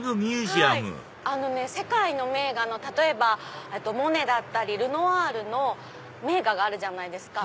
あのね世界の名画の例えばモネだったりルノワールの名画があるじゃないですか。